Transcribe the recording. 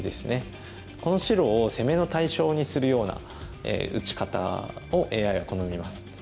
この白を攻めの対象にするような打ち方をＡＩは好みます。